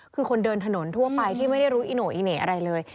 คือคนเดินถนนทั่วไปที่ไม่ได้รู้อิโน่อีเหน่อะไรเลย